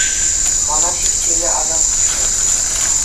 Мана ҫиччӗре асат хуҫрӗ.